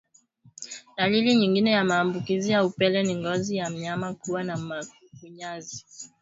Dalili nyingine ya maambukizi ya upele ni ngozi ya mnyama kuwa na makunyanzi